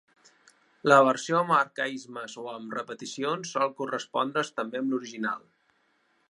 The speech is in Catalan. La versió amb arcaismes o amb repeticions sol correspondre's també amb l'original.